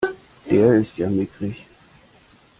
Der ist ja mickrig!